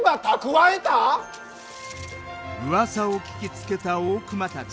うわさを聞きつけた大隈たち。